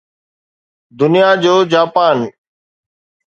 دنيا جو جاپان